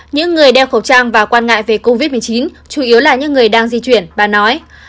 những người đeo khẩu trang và quan ngại về covid một mươi chín chủ yếu là những người đang di chuyển bà nói